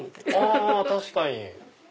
あ確かに。